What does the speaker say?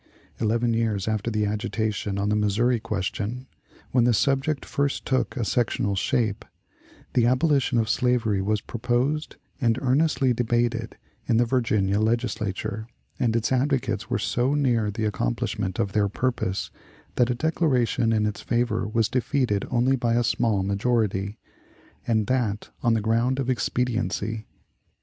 Eleven years after the agitation on the Missouri question, when the subject first took a sectional shape, the abolition of slavery was proposed and earnestly debated in the Virginia Legislature, and its advocates were so near the accomplishment of their purpose, that a declaration in its favor was defeated only by a small majority, and that on the ground of expediency.